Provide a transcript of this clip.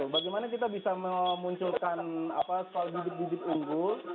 bagaimana kita bisa memunculkan sekolah didip didip unggul